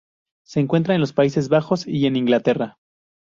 Se encuentra en los Países Bajos y en Inglaterra.